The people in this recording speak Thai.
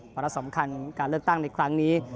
ละสำคัญการเลือกตั้งในครั้งนี้